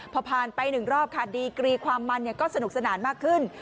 พอผ่านไป๑รอบค่ะดีกรีความมันก็สนุกสนานมากขึ้น